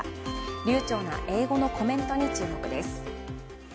流ちょうな英語のコメントに注目です。